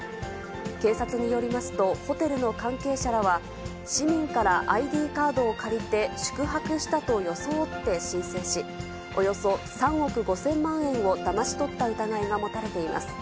警察によりますと、ホテルの関係者らは、市民からＩＤカードを借りて、宿泊したと装って申請し、およそ３億５０００万円をだまし取った疑いが持たれています。